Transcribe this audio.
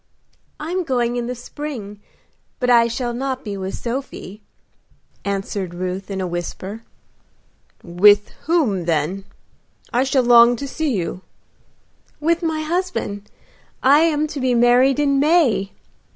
"I am going in the spring, but I shall not be with Sophie," answered Ruth, in a whisper. "With whom then? I shall long to see you." "With my husband. I am to be married in May."